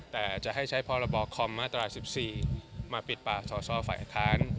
แต่จะให้ใช้พรบคอมมาตรา๑๔มาปิดปากสอสอฝ่ายค้าน